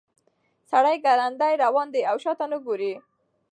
سړی ګړندی روان دی او شاته نه ګوري.